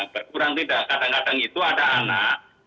berkurang tidak kadang kadang itu ada anak